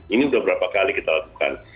ini sudah berapa kali kita lakukan